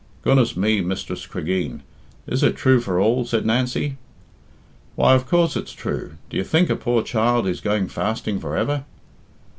"Goodness me, Mistress Cregeen, is it true for all?" said Nancy. "Why, of course it's true. Do you think a poor child is going fasting for ever?"